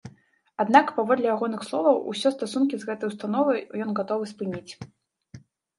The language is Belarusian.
Аднак, паводле ягоных словаў, усе стасункі з гэтай установай ён гатовы спыніць.